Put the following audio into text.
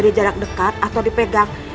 bin relates terhadap boss